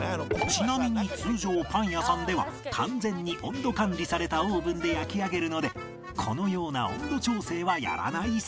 ちなみに通常パン屋さんでは完全に温度管理されたオーブンで焼き上げるのでこのような温度調整はやらないそう